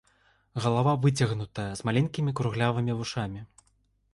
Галава выцягнутая, з маленькімі круглявымі вушамі.